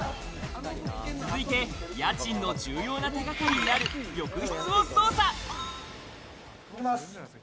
続いて家賃の重要な手がかりになる浴室を捜査。